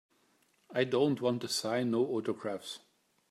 I don't wanta sign no autographs.